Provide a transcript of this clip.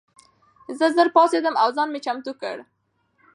زه ژر پاڅېدم او ځان مې چمتو کړ.